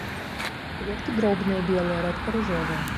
Кветкі дробныя, белыя, рэдка ружовыя.